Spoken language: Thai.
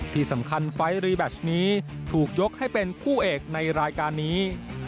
ที่สำคัญไฟล์ตรีแบชนี้ถูกยกให้เป็นผู้เอกในรายการนี้